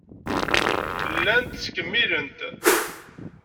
Llant ttkemmilent.